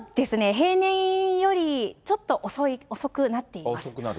平年よりちょっと遅くなっています。